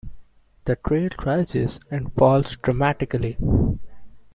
The trail rises and falls dramatically.